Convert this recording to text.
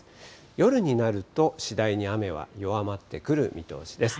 夜になると、次第に雨は弱まってくる見通しです。